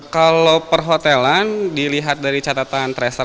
kalau perhotelan dilihat dari catatan